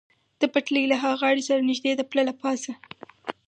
د پټلۍ له ها غاړې سره نږدې د پله له پاسه.